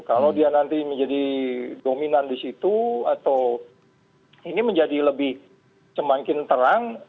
kalau dia nanti menjadi dominan di situ atau ini menjadi lebih semakin terang